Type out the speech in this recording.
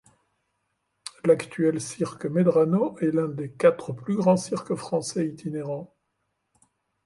L'actuel cirque Medrano est l'un des quatre plus grands cirques français itinérants.